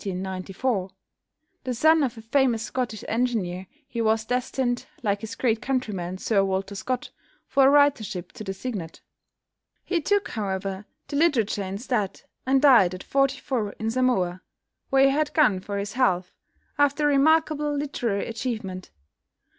The son of a famous Scottish engineer he was destined, like his great countryman Sir Walter Scott, for a Writership to the Signet. He took, however, to literature instead, and died at forty four in Samoa, where he had gone for his health, after a remarkable literary achievement.